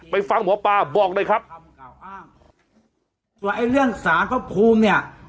ไปฟังหมอปลาบอกเลยครับตัวไอ้เรื่องสาวเข้าภูมิเนี่ย